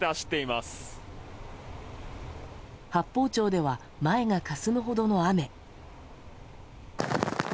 八峰町では前がかすむほどの雨。